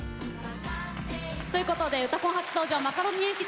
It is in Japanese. ということで「うたコン」初登場マカロニえんぴつの皆さんです。